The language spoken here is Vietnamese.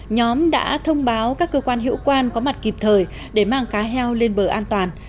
nhóm đã thông báo các cơ quan hiệu quan có mặt kịp thời để mang cá heo lên bờ an toàn